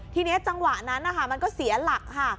ทีนี้จังหวะนั้นนะคะมันก็เสียหลักค่ะ